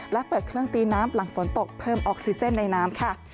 และเปิดเครื่องตีน้ำหลังฝนตกเพิ่มออกซิเจนในน้ำค่ะ